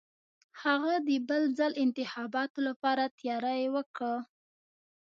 هغه د بل ځل انتخاباتو لپاره تیاری وکه.